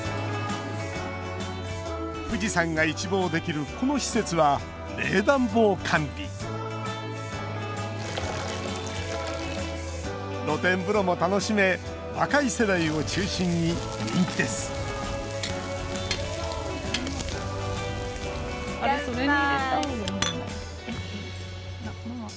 富士山が一望できるこの施設は冷暖房完備露天風呂も楽しめ若い世代を中心に人気です乾杯！